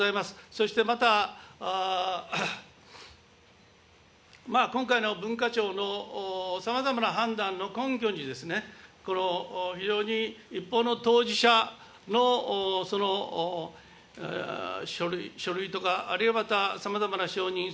そしてまた、今回の文化庁のさまざまな判断の根拠に、非常に一方の当事者の書類とか、あるいはまたさまざまなしょうにん、